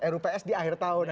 rups di akhir tahun